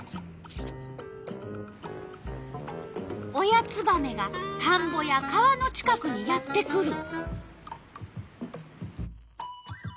親ツバメがたんぼや川の近くにやって来る。